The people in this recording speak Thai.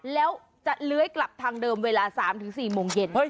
แล้วจะเลื้อยกลับทางเดิมเวลา๓๔โมงเย็น